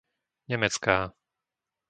Nemecká